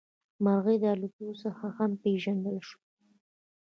مرغۍ د الوت څخه هم پېژندلی شو.